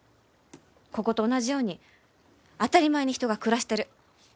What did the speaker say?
ここと同じように当たり前に人が暮らしてる。